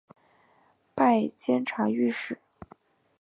拜监察御史。